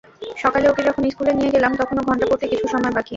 সকালে ওকে যখন স্কুলে নিয়ে গেলাম, তখনো ঘণ্টা পড়তে কিছু সময় বাকি।